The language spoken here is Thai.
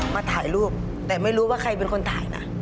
มาถ่ายรูปแต่ไม่รู้ว่าใครเป็นคนถ่ายนะ